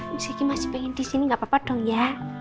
miski masih pengen disini gak apa apa dong ya